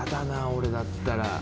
俺だったら。